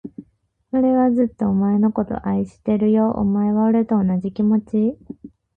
俺はずっと、お前のことを愛してるよ。お前は、俺と同じ気持ち？